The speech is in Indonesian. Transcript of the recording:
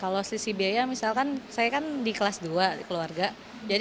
kalau selisih biaya misalkan saya kan di kelas dua keluarga